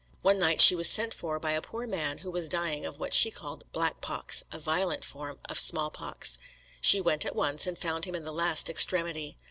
One night she was sent for by a poor man who was dying of what she called "black pox," a violent form of small pox. She went at once, and found him in the last extremity.